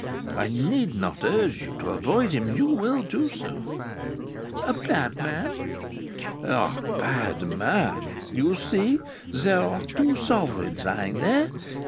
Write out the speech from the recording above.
I need not urge you to avoid him. You will do so." "A bad man!" "A bad man. You see there are two sovereigns lying here.